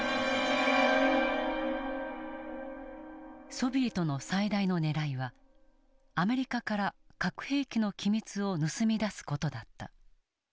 ソビエトの最大のねらいはアメリカから核兵器の機密を盗み出す事だった。